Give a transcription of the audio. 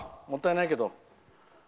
もったいないけど。